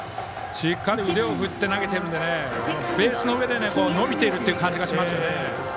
しっかり腕を振って投げているのでベースの上でのびている感じがしますね。